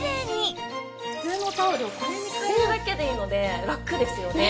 普通のタオルをこれに変えるだけでいいので楽ですよね。